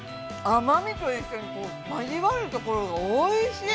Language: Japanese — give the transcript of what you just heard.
甘みと一緒に交わるところがおいしい！